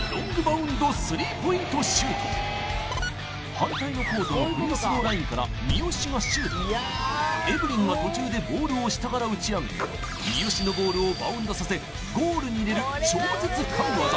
反対のコートのフリースローラインから三好がシュートエブリンが途中でボールを下から打ち上げ三好のボールをバウンドさせゴールに入れる超絶神業